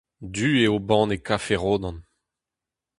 Du eo banne kafe Ronan.